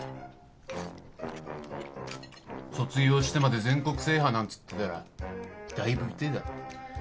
卒業してまで全国制覇なんっつってたらだいぶ痛えだろ。